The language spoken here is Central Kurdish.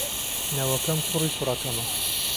نەوەکەم کوڕی کوڕەکەمە.